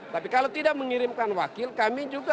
tapi kalau tidak mengirimkan wakil kami juga